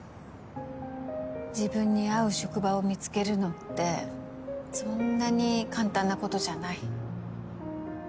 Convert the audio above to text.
自分に合う職場を見つけるのってそんなに簡単なことじゃない。